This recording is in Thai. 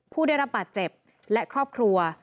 ผู้ได้รับบาดเจ็บและครอบครัว